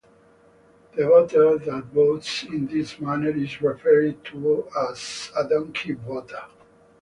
The voter that votes in this manner is referred to as a donkey voter.